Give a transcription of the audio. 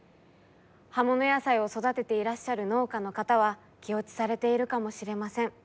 葉物野菜を育てていらっしゃる農家の方は気落ちされているかもしれません。